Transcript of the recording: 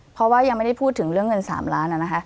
เพราะว่ายังไม่ได้พูดถึงเรื่องเงิน๓ล้าน